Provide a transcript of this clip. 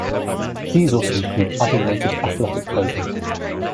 These also include other related athletic clothing.